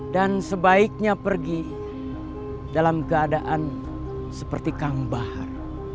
sebaiknya pergi dalam keadaan seperti kang bahar